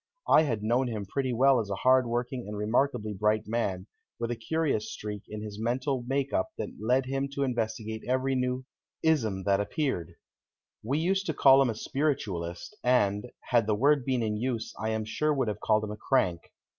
I had known him pretty well as a hard working and remarkably bright man, with a curious streak in his mental make up that led him to investigate every new "ism" that appeared. We used to call him a Spiritualist, and, had the word been in use, I am sure would have called him a crank.